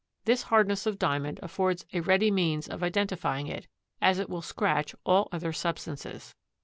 This hardness of Diamond affords a ready means of identifying it, as it will scratch all other substances.